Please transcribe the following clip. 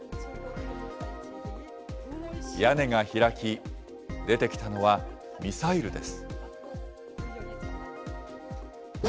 屋根が開き、出てきたのは、ミサイルです。